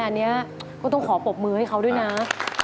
อันนี้ก็ต้องขอปรบมือให้เขาด้วยนะ